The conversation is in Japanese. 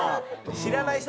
知らない人